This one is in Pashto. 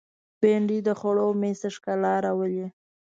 بېنډۍ د خوړو مېز ته ښکلا راولي